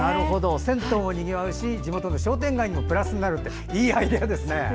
銭湯もにぎわうし地元の商店街にもプラスになるいいアイデアですね。